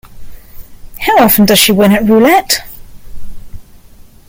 How often does she win at roulette?